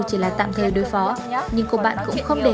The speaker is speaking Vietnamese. hãy đưa mẹ sang đây nhé